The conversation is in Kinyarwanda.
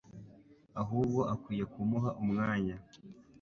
ahubwo akwiye kumuha umwanya